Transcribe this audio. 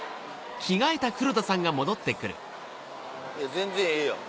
全然ええやん。